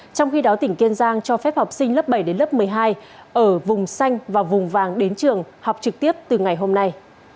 trong khi đó tỉnh kiên giang cho phép học sinh lớp bảy đến lớp một mươi hai ở vùng xanh và vùng vàng đến trường học trực tiếp từ ngày hôm nay